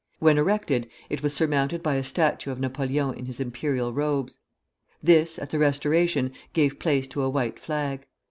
When erected, it was surmounted by a statue of Napoleon in his imperial robes; this, at the Restoration, gave place to a white flag.